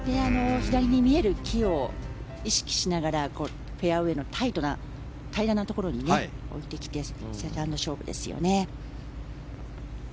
左に見える木を意識しながらフェアウェーのタイトな平らなところに置いてきてセカンド勝負ですよね。